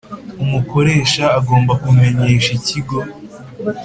Umukoresha agomba kumenyesha ikigo